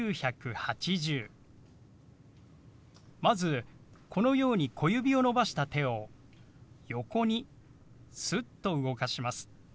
まずこのように小指を伸ばした手を横にすっと動かします。